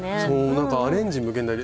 なんかアレンジ無限大で。